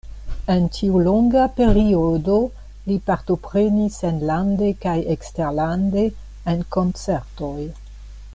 En tiu longa periodo li partoprenis enlande kaj eksterlande en koncertoj.